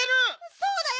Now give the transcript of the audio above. そうだよ！